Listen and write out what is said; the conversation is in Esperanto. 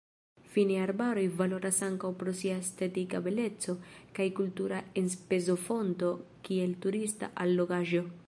Fine arbaroj valoras ankaŭ pro sia estetika beleco kaj kultura enspezofonto kiel turista allogaĵo.